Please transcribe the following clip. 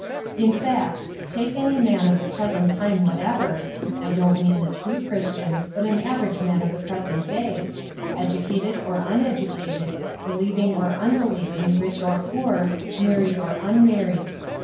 In fact, take any man of the present time whatever (I don't mean a true Christian, but an average man of the present day), educated or uneducated, believing or unbelieving, rich or poor, married or unmarried.